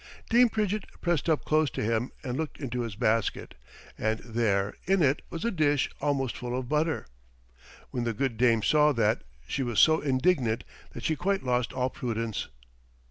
Dame Pridgett pressed up close to him and looked into his basket, and there in it was a dish almost full of butter. When the good dame saw that, she was so indignant that she quite lost all prudence.